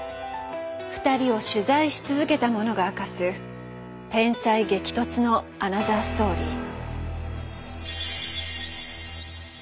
二人を取材し続けた者が明かす天才激突のアナザーストーリー。